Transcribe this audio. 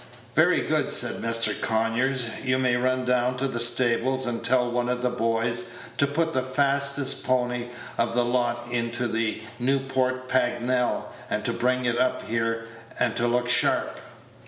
"Very good," said Mr. Conyers; "you may run down to the stables, and tell one of the boys to put the fastest pony of the lot into the Newport Pagnell, and to bring it up here, and to look sharp."